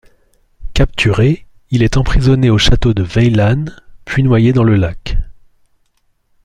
Capturé, il est emprisonné au château de Veillane, puis noyé dans le lac.